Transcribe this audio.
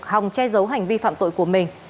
hồng che giấu hành vi phạm tội của mình